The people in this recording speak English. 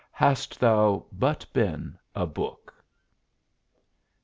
hadst thou but been a book!